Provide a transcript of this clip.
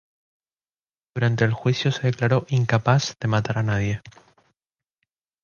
Durante el juicio se declaró "incapaz de matar a nadie"